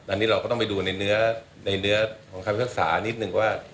อันนี้เราก็ต้องไปดูในเนื้อของคำพิพากษานิดนึงว่า